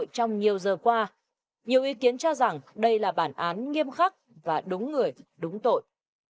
trong nhiều giờ qua nhiều ý kiến cho rằng đây là bản án nghiêm khắc và đúng người đúng tội